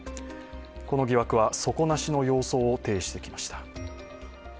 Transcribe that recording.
この疑惑は底なしの様相を呈してきました。